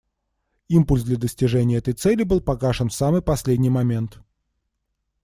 Импульс для достижения этой цели был погашен в самый последний момент.